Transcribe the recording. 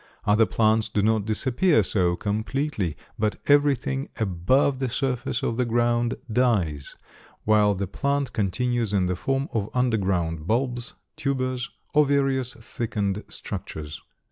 Other plants do not disappear so completely, but everything above the surface of the ground dies, while the plant continues in the form of underground bulbs, tubers, or various thickened structures.